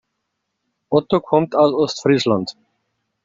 Otto kommt aus Ostfriesland.